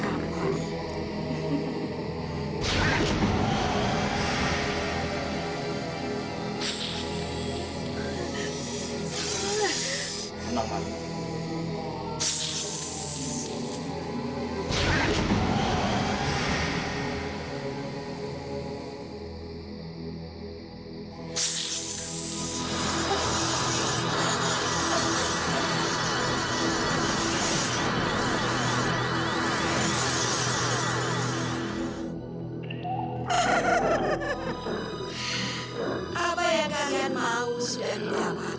apa yang kalian mau sudah didapat